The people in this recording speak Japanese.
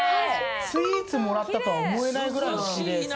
スイーツもらったとは思えないぐらいのキレイさ。